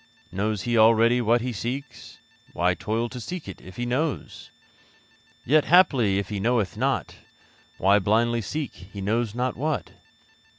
Knows he already what he seeks? Why toil to seek it, if he knows? Yet, haply if he knoweth not, Why blindly seek he knows not what?